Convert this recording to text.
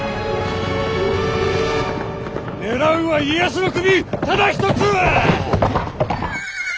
狙うは家康の首ただ一つ！